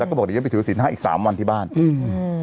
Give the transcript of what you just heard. แล้วก็บอกเดี๋ยวจะไปถือศีลห้าอีกสามวันที่บ้านอืม